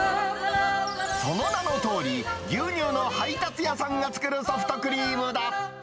その名のとおり、牛乳の配達屋さんが作るソフトクリームだ。